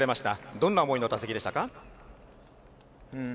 どんな思いの打席でしたか？